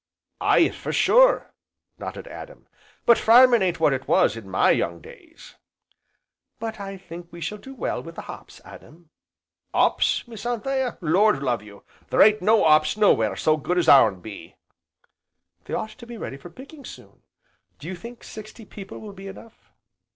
"Aye, for sure!" nodded Adam, "but farmin' ain't what it was in my young days!" "But I think we shall do well with the hops, Adam." "'Ops, Miss Anthea, lord love you! there ain't no 'ops nowhere so good as ourn be!" "They ought to be ready for picking, soon, do you think sixty people will be enough?"